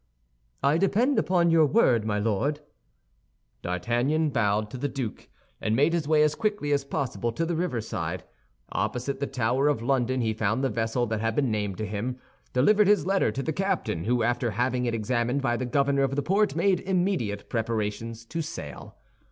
"I depend upon your word, my Lord." D'Artagnan bowed to the duke, and made his way as quickly as possible to the riverside. Opposite the Tower of London he found the vessel that had been named to him, delivered his letter to the captain, who after having it examined by the governor of the port made immediate preparations to sail.